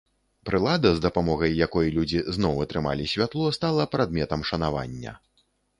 Прылада, з дапамогай якой людзі зноў атрымалі святло, стала прадметам шанавання.